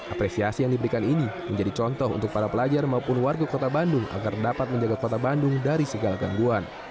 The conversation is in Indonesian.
apresiasi yang diberikan ini menjadi contoh untuk para pelajar maupun warga kota bandung agar dapat menjaga kota bandung dari segala gangguan